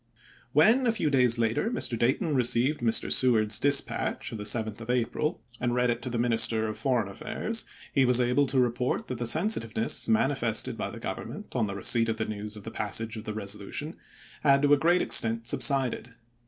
When, a few days later, Mr. Dayton received May 2,1864 Mr. Seward's dispatch of the 7th of April, and read 410 ABRAHAM LINCOLN chap. xiv. it to the Minister of Foreign Affairs, he was able to report that the sensitiveness manifested by the Government on the receipt of the news of the passage of the resolution had, to a great extent, subsided.